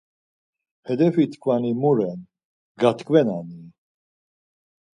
Hedefi tkvani mu ren, gatkvenani?